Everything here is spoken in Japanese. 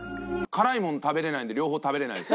辛いもの食べられないんで両方食べられないです。